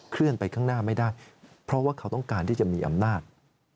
เลื่อนไปข้างหน้าไม่ได้เพราะว่าเขาต้องการที่จะมีอำนาจ